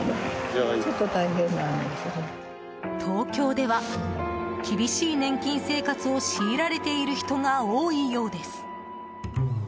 東京では、厳しい年金生活を強いられている人が多いようです。